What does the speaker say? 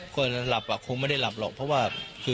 กระลับอะคงไม่ได้ลาบหรอกเพราะว่า